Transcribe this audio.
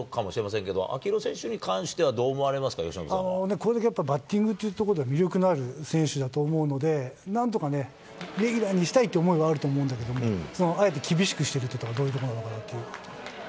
これだけやっぱ、バッティングというところでは魅力のある選手だと思うので、なんとかね、レギュラーにしたいっていう思いはあると思うんだけれども、あえて厳しくしてるというのはどういうことなのかなという。